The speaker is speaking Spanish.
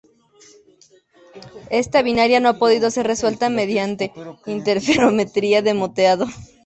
Esta binaria no ha podido ser resuelta mediante interferometría de moteado.